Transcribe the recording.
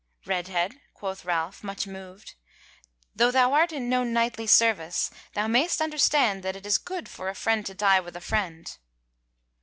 "Redhead," quoth Ralph much moved, "though thou art in no knightly service, thou mayst understand that it is good for a friend to die with a friend."